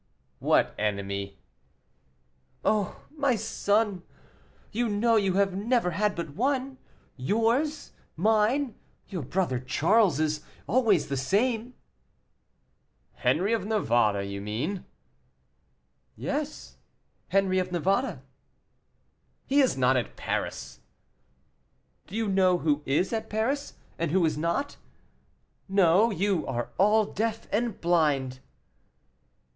"What enemy?" "O! my son, you know you have never had but one; yours, mine, your brother Charles's; always the same." "Henri of Navarre, you mean?" "Yes, Henri of Navarre." "He is not at Paris." "Do you know who is at Paris, and who is not? No, you are all deaf and blind."